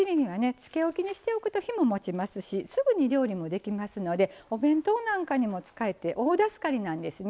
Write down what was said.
漬けおきにしておくと日ももちますしすぐに料理もできますのでお弁当なんかにも使えて大助かりなんですね。